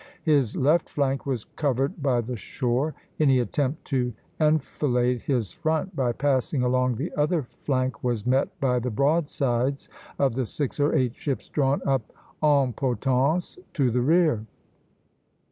His left flank was covered by the shore. Any attempt to enfilade his front by passing along the other flank was met by the broadsides of the six or eight ships drawn up en potence to the rear.